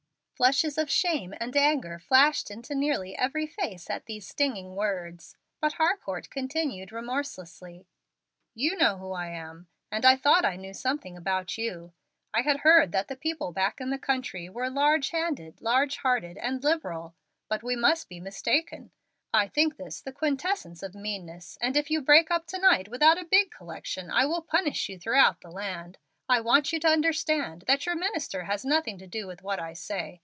Flushes of shame and anger flashed into nearly every face at these stinging words, but Harcourt continued remorselessly: "You know who I am, and I thought I knew something about you. I had heard that the people back in the country were large handed, large hearted, and liberal, but we must be mistaken. I think this the quintessence of meanness, and if you break up to night without a big collection I will publish you throughout the land. I want you to understand that your minister has nothing to do with what I say.